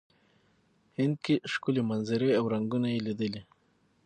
هند کې ښکلې منظرې او رنګونه یې لیدلي.